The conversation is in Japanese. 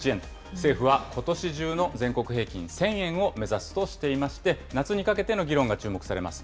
政府はことし中の全国平均１０００円を目指すとしていまして、夏にかけての議論が注目されます。